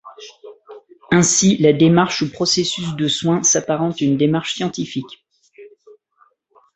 Ainsi, la démarche ou processus de soin s'apparente à une démarche scientifique.